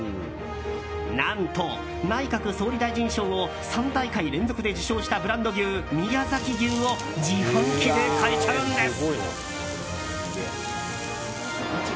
何と、内閣総理大臣賞を３大会連続で受賞したブランド牛、宮崎牛を自販機で買えちゃうんです。